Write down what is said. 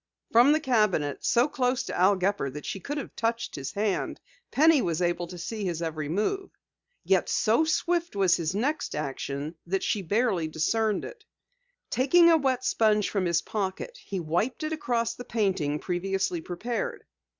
From the cabinet, so close to Al Gepper that she could have touched his hand, Penny was able to see his every move. Yet so swift was his next action, that she barely discerned it. Taking a wet sponge from his pocket he wiped it across the painting previously prepared.